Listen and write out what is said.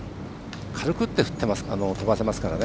軽く打って飛ばせますからね